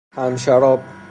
هم شراب